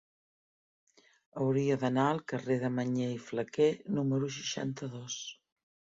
Hauria d'anar al carrer de Mañé i Flaquer número seixanta-dos.